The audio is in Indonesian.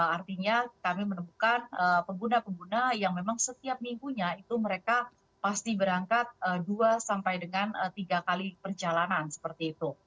artinya kami menemukan pengguna pengguna yang memang setiap minggunya itu mereka pasti berangkat dua sampai dengan tiga kali perjalanan seperti itu